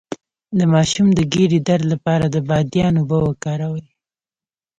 د ماشوم د ګیډې درد لپاره د بادیان اوبه وکاروئ